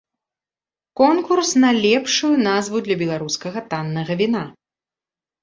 Конкурс на лепшую назву для беларускага таннага віна!